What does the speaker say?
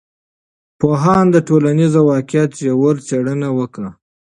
پوهانو د ټولنیز واقعیت ژوره څېړنه وکړه.